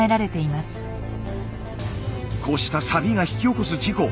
こうしたサビが引き起こす事故。